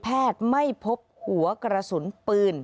แพทย์ไม่พบหัวกระสุนปืน